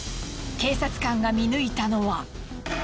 警察官が見抜いたのは。